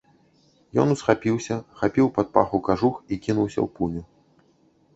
Ён усхапіўся, хапіў пад паху кажух і кінуўся ў пуню.